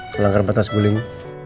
melanggar batas guling